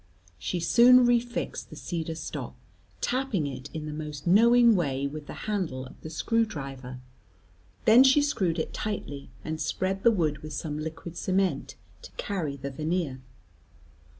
She soon refixed the cedar stop, tapping it in the most knowing way with the handle of the screw driver, then she screwed it tightly, and spread the wood with some liquid cement to carry the veneer.